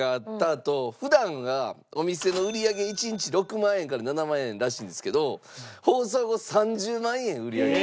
あと普段はお店の売り上げ１日６万円から７万円らしいんですけど放送後３０万円売り上げ。